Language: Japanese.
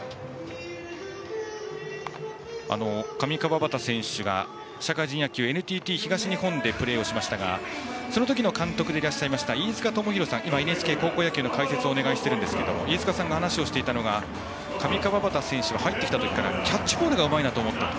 上川畑選手が社会人野球、ＮＴＴ東日本でプレーをしましたがその時の監督でいらっしゃいました飯塚さん、今ＮＨＫ高校野球の解説をお願いしていますが飯塚さんが話していたのが上川畑選手が入ってきたときからキャッチボールがうまいなと思った。